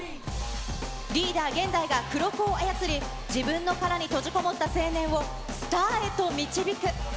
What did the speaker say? リーダー、ＧＥＮＤＡＩが黒子を操り、自分の殻に閉じこもった青年をスターへと導く。